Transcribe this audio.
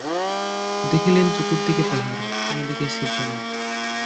দেখিলেন চতুর্দিকে পাহারা, কোনো দিকে ছিদ্র নাই।